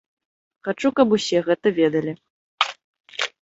Хачу, каб усё гэта ведалі.